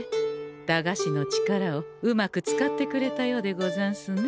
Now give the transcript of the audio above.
駄菓子の力をうまく使ってくれたようでござんすね。